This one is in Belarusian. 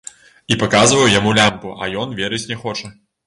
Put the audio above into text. І паказваю яму лямпу, а ён верыць не хоча.